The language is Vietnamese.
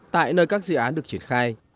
tại nơi các dự án được triển khai